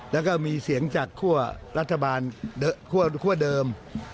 แล้วก็มีเสียงจากคั่วรัฐบาลคั่วเดิม